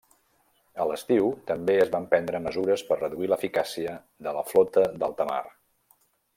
A l'estiu, també es van prendre mesures per reduir l'eficàcia de la Flota d'Alta Mar.